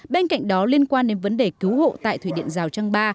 bên cạnh đó liên quan đến vấn đề cứu hộ tại thủy điện giao trang ba